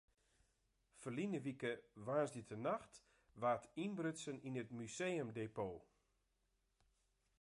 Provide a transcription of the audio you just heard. Ferline wike woansdeitenacht waard ynbrutsen yn it museumdepot.